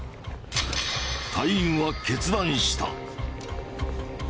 隊員は決断した。